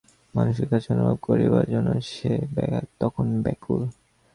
মানুষকে কাছে অনুভব করিবার জন্য সে তখন ব্যাকুল।